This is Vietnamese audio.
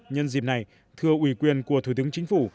nhân dịp này thưa ủy quyền của thủ tướng chính phủ